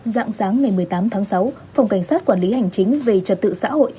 dạng sáng ngày một mươi tám tháng sáu phòng cảnh sát quản lý hành chính về trật tự xã hội